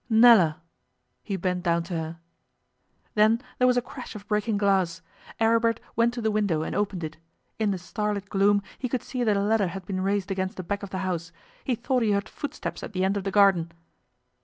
'Nella!' He bent down to her. Then there was a crash of breaking glass. Aribert went to the window and opened it. In the starlit gloom he could see that a ladder had been raised against the back of the house. He thought he heard footsteps at the end of the garden.